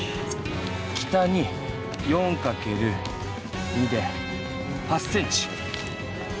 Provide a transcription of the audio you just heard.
北に４かける２で８ｃｍ。